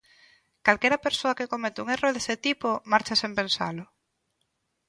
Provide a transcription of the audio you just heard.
Calquera persoa que comete un erro dese tipo, marcha sen pensalo.